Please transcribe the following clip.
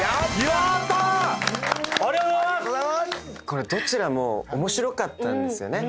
これどちらも面白かったんですよね。